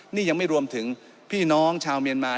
นี่ยังไม่รวมถึงพี่น้องชาวเมียนมา